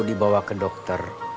kalau mau dibawa ke dokter